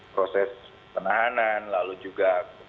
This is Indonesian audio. proses penahanan lalu juga